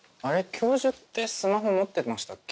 教授ってスマホ持ってましたっけ？